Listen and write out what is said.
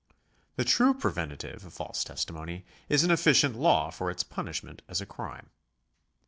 The true preventive of false testimony is an efficient law for its punishment as a crime.